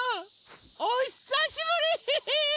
おひさしぶり！